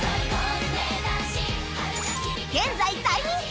現在大人気！